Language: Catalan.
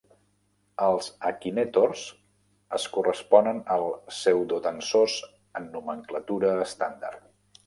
Els "akinetors" es corresponen als pseudotensors en nomenclatura estàndard.